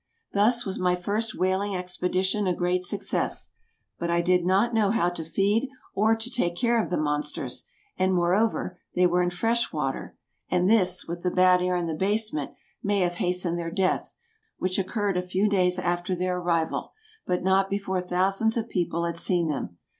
Thus was my first whaling expedition a great success; but I did not know how to feed or to take care of the monsters, and, moreover, they were in fresh water, and this, with the bad air in the basement, may have hastened their death, which occurred a few days after their arrival, but not before thousands of people had seen them.